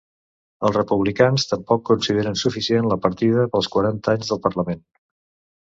Els republicans tampoc consideren suficient la partida pels quaranta anys del parlament.